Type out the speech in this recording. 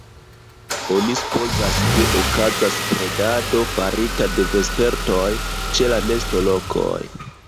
Oni supozas, ke okazas predado farita de vespertoj ĉe la nestolokoj.